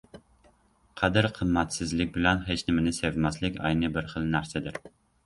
Qadr-qimmatsizlik bilan hech nimani sevmaslik ayni bir xil narsadir.